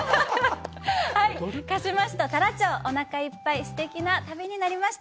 鹿島市と太良町、おなかいっぱい、すてきな旅になりました。